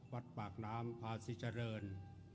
วัดปากน้ำพาศรีเจริญ